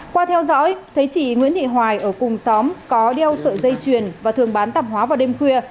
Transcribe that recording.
qua theo dõi thấy chị nguyễn thị hoài ở cùng xóm có đeo sợi dây chuyền và thường bán tạp hóa vào đêm khuya